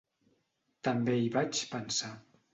També hi vaig pensar.